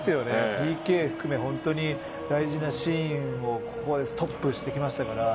ＰＫ含め大事なシーンでストップしてきましたから。